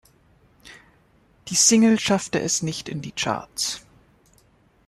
Die Single schaffte es nicht in die Charts.